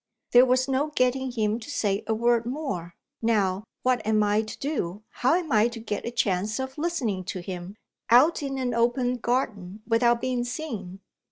There was no getting him to say a word more. Now, what am I to do? How am I to get a chance of listening to him, out in an open garden, without being seen?